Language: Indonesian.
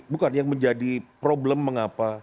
bukan yang menjadi problem mengapa